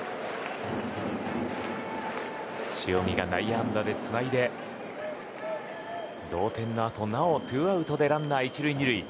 塩見が内野安打でつないで同点のあと、なおツーアウトでランナー、１塁２塁。